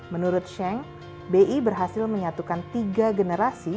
menurut sheng bi berhasil menyatukan tiga generasi